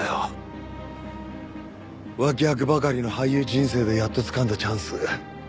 脇役ばかりの俳優人生でやっとつかんだチャンス。